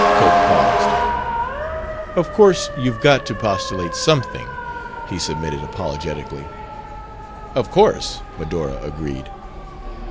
Cope paused. "Of course you've got to postulate something," he submitted apologetically. "Of course," Medora agreed.